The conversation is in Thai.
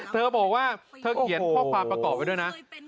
เธอบอกว่าเธอเขียนข้อความประกอบไว้ด้วยนะ